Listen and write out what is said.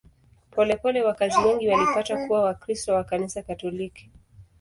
Polepole wakazi wengi walipata kuwa Wakristo wa Kanisa Katoliki.